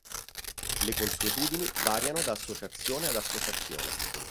Le consuetudini variano da associazione ad associazione.